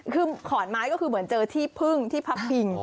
คือขอนไม้ก็คือเหมือนเจอที่พึ่งที่พับพิง